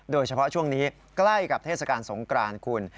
โดยเฉพาะช่วงนี้ใกล้กับเทศกาลสงกรานคุณ